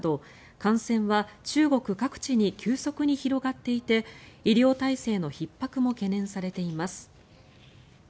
感染は中国各地に急速に広がっていて医療体制のひっ迫も懸念されています。